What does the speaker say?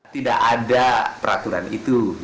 tidak ada peraturan itu